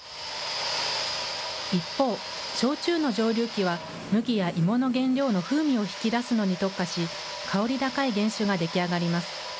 一方、焼酎の蒸留器は、麦や芋の原料の風味を引き出すのに特化し、香り高い原酒が出来上がります。